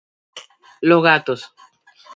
Los gatos